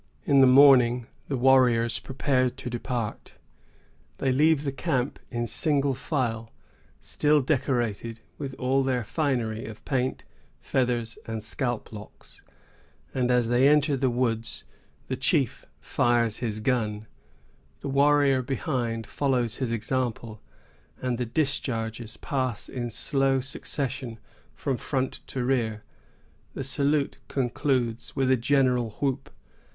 In the morning, the warriors prepare to depart. They leave the camp in single file, still decorated with all their finery of paint, feathers, and scalp locks; and, as they enter the woods, the chief fires his gun, the warrior behind follows his example, and the discharges pass in slow succession from front to rear, the salute concluding with a general whoop.